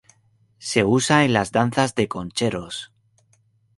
Se usa en las Danzas de Concheros.